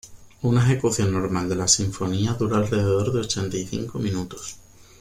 Una ejecución normal de la sinfonía dura alrededor de ochenta y cinco minutos.